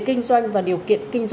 kinh doanh và điều kiện